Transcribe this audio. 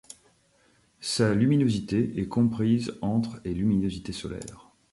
Sa luminosité est comprise entre et luminosité solaire.